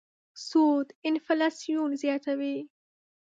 سود انفلاسیون زیاتوي.